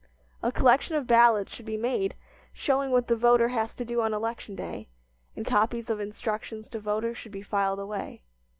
A collection of ballots should be made showing what the voter has to do on election day, and copies of instructions to voters should be filed away.